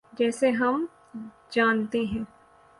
جیسے ہم جانتے ہیں۔